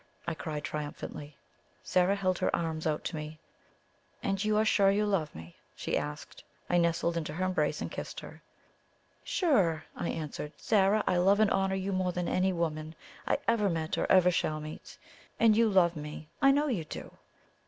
I cried triumphantly. Zara held out her arms to me. "And you are sure you love me?" she asked. I nestled into her embrace and kissed her. "Sure!" I answered. "Zara, I love and honour you more than any woman I ever met or ever shall meet. And you love me I know you do!"